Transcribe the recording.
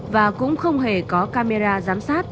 và cũng không hề có camera giám sát